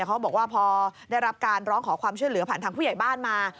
เขาบอกว่าพอได้รับการร้องขอความช่วยเหลือผ่านทางผู้ใหญ่บ้านมา